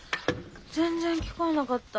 全然聞こえなかった。